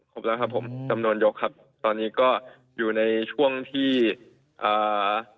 ครบแล้วครับผมจำนวนยกครับตอนนี้ก็อยู่ในช่วงที่อ่า